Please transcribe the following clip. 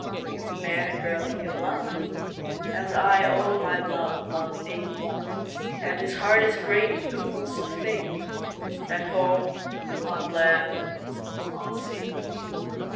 Give a man a girl he can love, As I, O my love, love thee; 10 And his heart is great with the pulse of Fate, At home, on land, on sea.